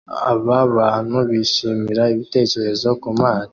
Aba bantu bishimira ibitekerezo kumato